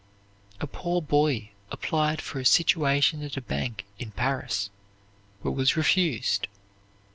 A poor boy applied for a situation at a bank in Paris, but was refused.